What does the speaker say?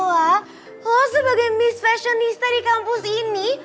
lho lo sebagai miss fashionista di kampus ini